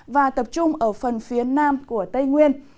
và tập trung ở phần phía nam của tây nguyên